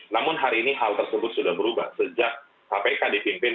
namun hari ini hal tersebut sudah berubah sejak kpk dipimpin